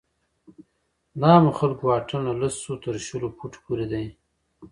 د عامو خلکو واټن له لسو تر شلو فوټو پورې دی.